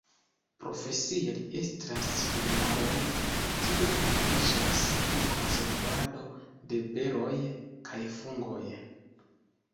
Profesie li estras firmaon, kiu okupiĝas pri konservado de beroj kaj fungoj.